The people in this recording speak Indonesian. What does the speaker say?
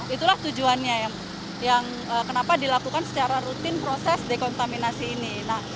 itulah tujuannya yang kenapa dilakukan secara rutin proses dekontaminasi ini